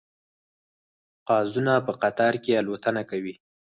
قازونه په قطار کې الوتنه کوي